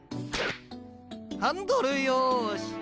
ハンドルよし。